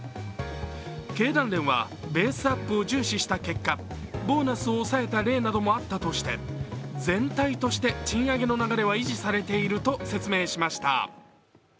経団連はベースアップを重視した結果、ボーナスを抑えた例などもあったとして全体として賃上げの流れは維持されていると説明しました。